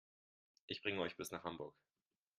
Ich bringe euch bis nach Hamburg